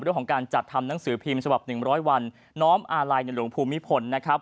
เรื่องของการจัดทำหนังสือพิมพ์ฉบับ๑๐๐วันน้อมอาลัยในหลวงภูมิพลนะครับ